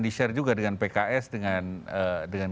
di share juga dengan pks dengan